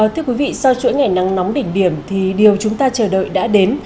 thưa quý vị sau chuỗi ngày nắng nóng đỉnh điểm thì điều chúng ta chờ đợi đã đến